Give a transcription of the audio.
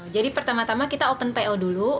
pertama tama kita open po dulu